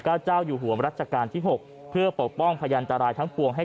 เจ้าอยู่หัวรัชกาลที่๖เพื่อปกป้องพยันตรายทั้งปวงให้